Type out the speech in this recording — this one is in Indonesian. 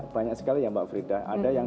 banyak sekali ya mbak frida ada yang